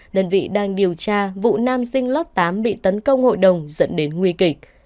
đơn vị đang điều tra vụ nam sinh lớp tám bị tấn công hội đồng dẫn đến nguy kịch